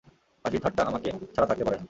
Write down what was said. হাসি ঠাট্টা আমাকে ছাড়া থাকতে পারে না।